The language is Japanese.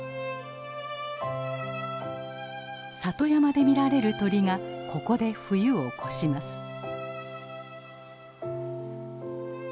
里山で見られる鳥がここで冬を越します。